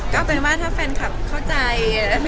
ก็เป็นว่าถ้าแฟนคลับเข้าใจ